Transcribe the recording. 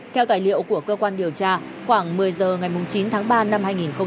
theo tài liệu của cơ quan điều tra khoảng một mươi h ngày chín tháng ba năm hai nghìn một mươi chín